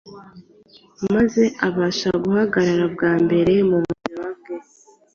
maze abasha guhagarara bwa mbere mu buzima bwe.